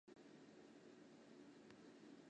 清朝嘉庆帝之嫔。